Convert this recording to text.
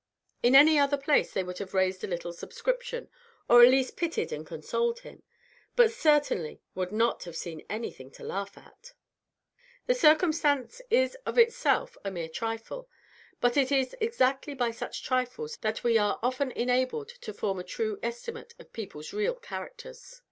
In any other place, they would have raised a little subscription, or at least pitied and consoled him, but certainly would not have seen anything to laugh at. The circumstance is of itself a mere trifle, but it is exactly by such trifles that we are often enabled to form a true estimate of people's real characters.